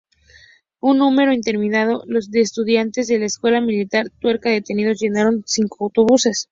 Un número indeterminado de estudiantes de la Escuela Militar Turca detenidos llenaron cinco autobuses.